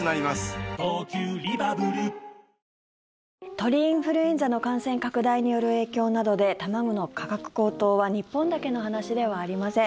鳥インフルエンザの感染拡大による影響などで卵の価格高騰は日本だけの話ではありません。